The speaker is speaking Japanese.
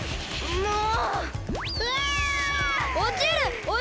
もう！